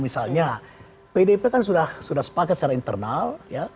misalnya pdp kan sudah sepakat secara internal ya